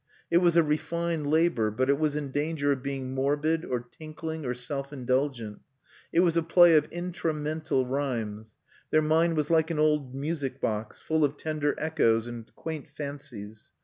It was a refined labour, but it was in danger of being morbid, or tinkling, or self indulgent. It was a play of intra mental rhymes. Their mind was like an old music box, full of tender echoes and quaint fancies.